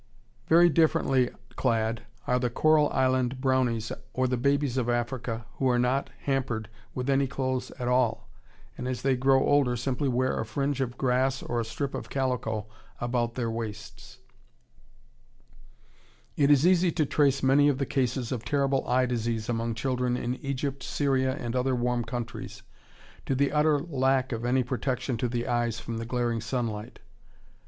[Illustration: A PERSIAN BABY IN HIS CRADLE] Very differently clad are the "Coral Island Brownies" or the babies of Africa, who are not hampered with any clothes at all, and as they grow older simply wear a fringe of grass or a strip of calico about their waists. It is easy to trace many of the cases of terrible eye disease among children in Egypt, Syria, and other warm countries to the utter lack of any protection to the eyes from the glaring sunlight.